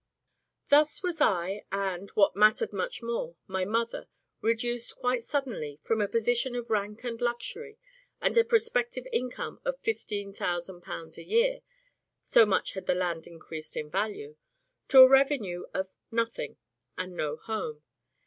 Thus was I, and, what mattered much more, my mother, reduced quite suddenly from a position of rank and luxury, and a prospective income of £15,000 a year (so much had the land increased in value) to a revenue of nothing, and no home.